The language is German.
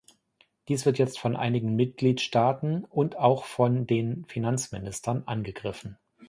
Dies wird jetzt von einigen Mitgliedstaaten und auch von den Finanzministern angegriffen.